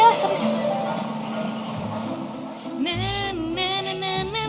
oh tadi ketemu